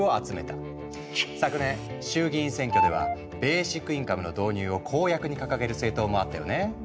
昨年衆議院選挙ではベーシックインカムの導入を公約に掲げる政党もあったよね。